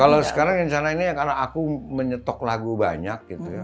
kalau sekarang di sana ini karena aku menyetok lagu banyak gitu ya